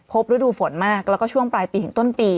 ฤดูฝนมากแล้วก็ช่วงปลายปีถึงต้นปี